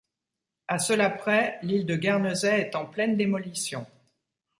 À cela près, l’île de Guernesey est en pleine démolition.